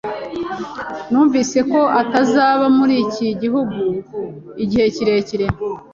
Numvise ko atazaba muri iki gihugu igihe kirekire.